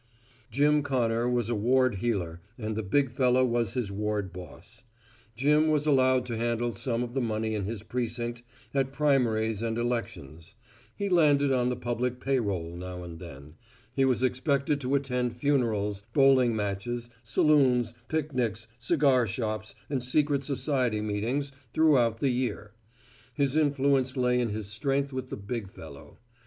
Jim Connor was a ward heeler and the big fellow was his ward boss. Jim was allowed to handle some of the money in his precinct at primaries and elections; he landed on the public pay roll now and then; he was expected to attend funerals, bowling matches, saloons, picnics, cigar shops and secret society meetings throughout the year; his influence lay in his strength with the big fellow.